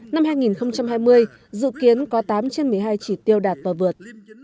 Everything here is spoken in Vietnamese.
năm hai nghìn hai mươi dự kiến có tám trên một mươi hai chỉ tiêu đạt và vượt